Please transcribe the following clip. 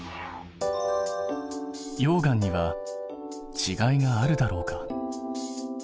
溶岩にはちがいがあるだろうか？